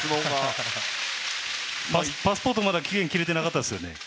パスポートまだ期限切れてなかったですよね。